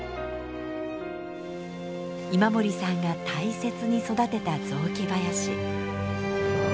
今森さんが大切に育てた雑木林。